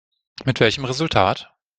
Mit welchem Resultat?